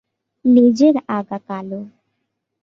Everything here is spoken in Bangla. লেজের আগা কালো।